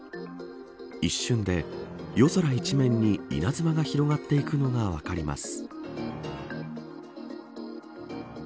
一瞬で夜空一面に稲妻が広がっていくのが分かります。